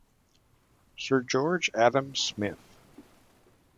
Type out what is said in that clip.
Sir George Adam Smith.